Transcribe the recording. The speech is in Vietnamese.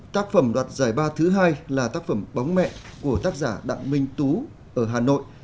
tác phẩm đoạt giải ba thứ hai là tác phẩm bóng mẹ của tác giả đặng minh tú ở hà nội